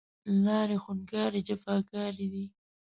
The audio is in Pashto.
لارې خونکارې، جفاکارې دی